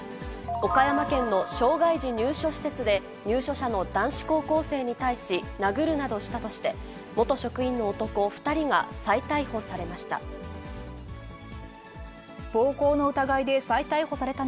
岡山県の障がい児入所施設で、入所者の男子高校生に対し、殴るなどしたとして、元職員の男２人が再逮捕されました。